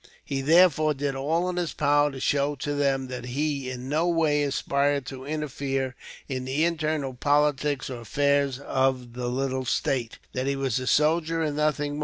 He therefore did all in his power to show to them that he, in no way, aspired to interfere in the internal politics or affairs of the little state that he was a soldier and nothing more.